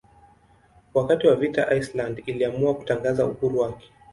Wakati wa vita Iceland iliamua kutangaza uhuru wake.